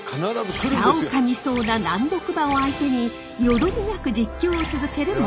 舌を噛みそうな難読馬を相手によどみなく実況を続ける百瀬アナ。